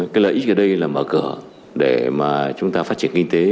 cái lợi ích ở đây là mở cửa để mà chúng ta phát triển kinh tế